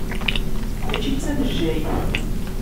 Mačči d tamejjayt.